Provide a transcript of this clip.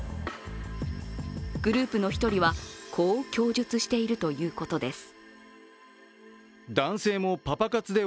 グループの一人は、こう供述しているということです。